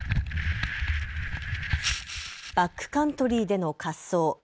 バックカントリーでの滑走。